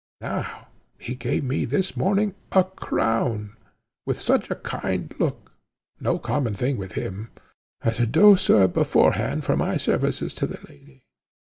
And now he gave me this morning a crown, with such a kind look no common thing with him as a douceur beforehand for my services to the lady.